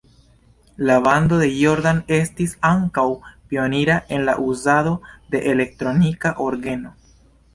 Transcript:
La bando de Jordan estis ankaŭ pionira en la uzado de la elektronika orgeno.